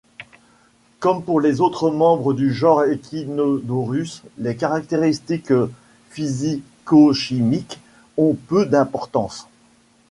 Comme pour les autres membres du genre Echinodorus, les caractéristiques physico-chimiques ont peu d'importance.